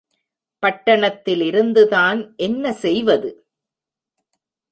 பட்டணத்திலிருந்துதான் என்ன செய்வது?